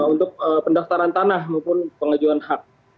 untuk pendaftaran tanah maupun pengajuan hak